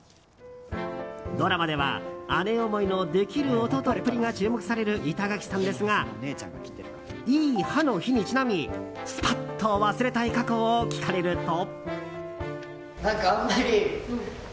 ドラマでは姉思いのできる弟っぷりが注目される板垣さんですがいい刃の日にちなみスパッと忘れたい過去を聞かれると。